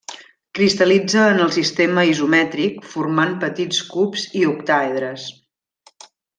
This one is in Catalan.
Cristal·litza en el sistema isomètric formant petits cubs i octàedres.